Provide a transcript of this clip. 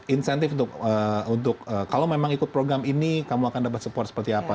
insentif untuk kalau memang ikut program ini kamu akan dapat support seperti apa